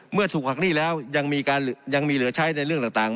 เมื่อถูกหักหนี้แล้วยังมีเหลือใช้ในเรื่องต่าง